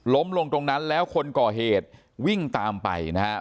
ล้มลงตรงนั้นแล้วคนก่อเหตุวิ่งตามไปนะครับ